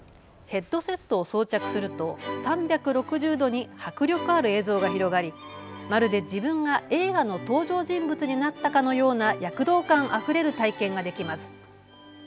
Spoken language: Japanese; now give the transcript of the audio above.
ヘッドセットを装着すると３６０度に迫力ある映像が広がりまるで自分が映画の登場人物になったかのような躍動感あふれる体験ができます。